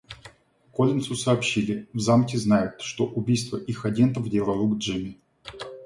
Коллинсу сообщили, в Замке знают, что убийство их агентов дело рук Джимми.